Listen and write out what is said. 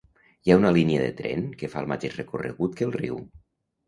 Hi ha una línia de tren que fa el mateix recorregut que el riu.